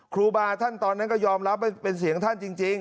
ครูบาท่านตอนนั้นก็ยอมรับว่าเป็นเสียงท่านจริง